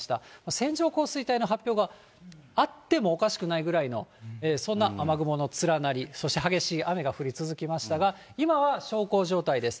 線状降水帯の発表があってもおかしくないぐらいの、そんな雨雲の連なり、そして激しい雨が降り続きましたが、今は小康状態です。